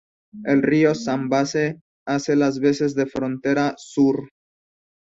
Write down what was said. El río Zambeze hace las veces de frontera sur.